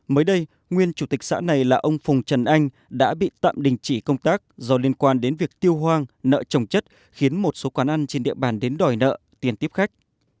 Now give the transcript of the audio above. mới đây nguyên chủ tịch xã này là ông phùng trần anh đã bị tạm đình chỉ công tác do liên quan đến việc tiêu hoang nợ trồng chất khiến một số quán ăn trên địa bàn đến đòi nợ tiền tiếp khách